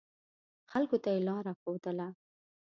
خلکو ته یې لاره ښودله.